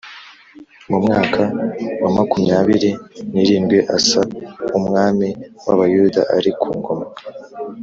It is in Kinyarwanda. Mu mwaka wa makumyabiri n’irindwi Asa umwami w’Abayuda ari ku ngoma